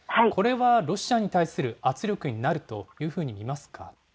これはロシアに対する圧力になるというふうに見ますか？